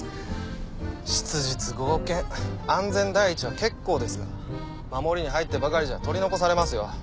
質実剛健安全第一は結構ですが守りに入ってばかりじゃ取り残されますよ。